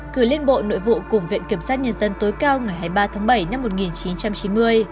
cử liên bộ nội vụ cùng viện kiểm sát nhân dân tối cao ngày hai mươi ba tháng bảy năm một nghìn chín trăm chín mươi